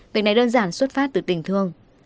việc này đơn giản xuất phát từ tình thương